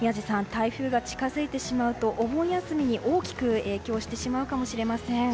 台風が近づいてしまうとお盆休みに大きく影響してしまうかもしれません。